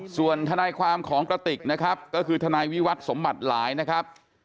ส่วนทนายความของกระติกนะครับก็คือทนายวิวัตรสมบัติหลายนะครับ